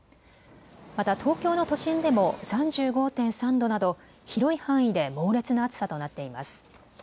また東京の都心でも３５．３度など広い範囲で猛烈な暑さとなっています。